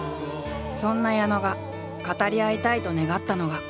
そんな矢野が語り合いたいと願ったのが。